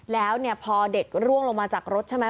แล้วพอเด็กล่วงมาจากรถใช่ไหม